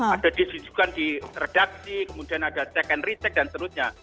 ada disinjukan di redaksi kemudian ada check and recheck dan seterusnya